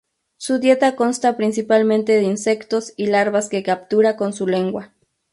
Su dieta consta principalmente de insectos y larvas que captura con su lengua.